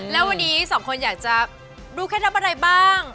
แล้ววันนี้สองคนอยากจะดูเคล็ดลับอะไรบ้าง